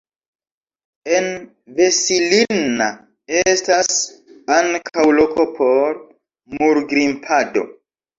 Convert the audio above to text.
En Vesilinna estas ankaŭ loko por murgrimpado.